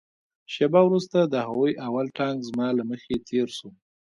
شېبه وروسته د هغوى اول ټانک زما له مخې تېر سو.